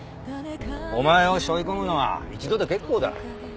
お前をしょい込むのは一度で結構だ。